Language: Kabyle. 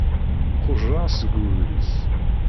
Qujjreɣ seg ugris.